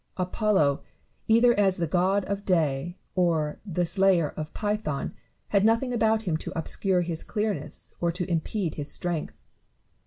Apollo, either as the god of day or the slayer of Python, had nothing about him to obscure his clearness or to impede his strength.